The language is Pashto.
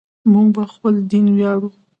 موږ په خپل دین ویاړو.